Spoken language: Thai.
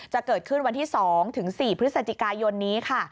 จะเกิดขึ้นวันที่๒ถึง๔พฤศจิกายนนี้ค่ะ